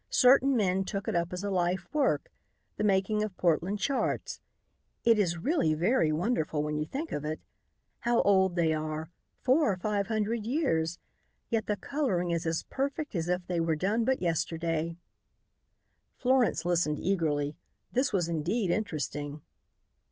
Certain men took it up as a life work, the making of Portland charts. It is really very wonderful, when you think of it. How old they are, four or five hundred years, yet the coloring is as perfect as if they were done but yesterday." Florence listened eagerly. This was indeed interesting.